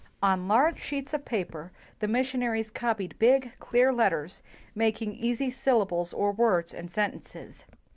On large sheets of paper the missionaries copied big, clear letters, making easy syllables or words and sen tences.